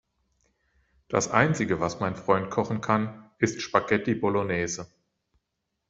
Das Einzige, was mein Freund kochen kann, ist Spaghetti Bolognese.